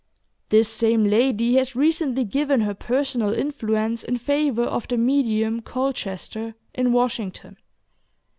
This same lady has recently given her personal influence in favor of the "medium" Colchester, in Washington.